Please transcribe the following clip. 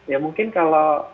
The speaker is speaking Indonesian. ya mungkin kalau